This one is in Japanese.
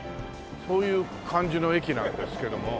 そういう感じの駅なんですけども。